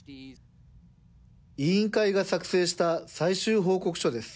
委員会が作成した最終報告書です。